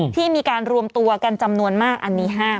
ที่มีการรวมตัวกันจำนวนมากอันนี้ห้าม